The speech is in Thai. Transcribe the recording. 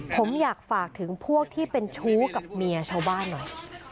ผมอยากฝากถึงพวกที่เป็นชู้กับเมียชาวบ้านหน่อย